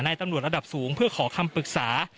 ตำรวจระดับสูงเพื่อขอคำปรึกษา